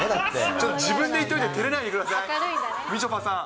ちょっと自分で言っといててれないでください、みちょぱさん。